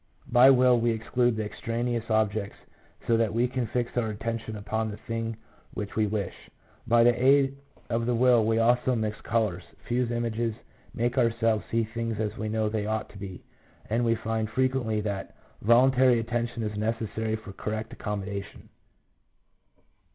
By will we exclude the extraneous objects so that we can fix our atten tion upon the thing which we wish. By the aid of the will we also mix colours, fuse images, make our selves see things as we know they ought to be, and we find frequently that voluntary attention is neces sary for correct accommodation.